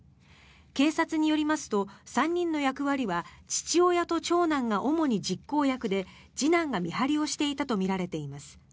警察によりますと３人の役割は父親と長男が主に実行役で次男が見張りをしていたとみられています。